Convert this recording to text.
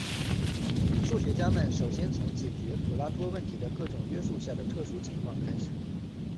数学家们首先从解决普拉托问题的各种约束下的特殊情况开始。